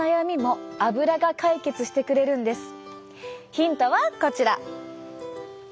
ヒントはこちら。